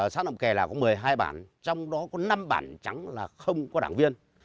xã nậm kè là có một mươi hai bản trong đó có năm bản trắng là không có đảng viên